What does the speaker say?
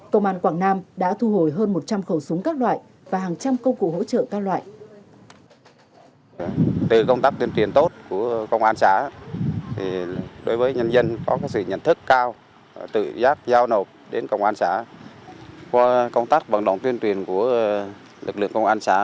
công an quảng nam đã thu hồi hơn một trăm linh khẩu súng các loại và hàng trăm công cụ hỗ trợ các loại